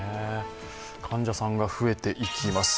患者さんが増えていきます。